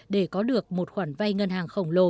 để có được một khoản vay ngân hàng khổng lồ